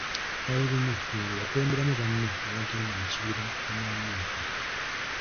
Lwali lumu, Mulongo yakulembera banne ne bagenda mu kibira banoonye emmere.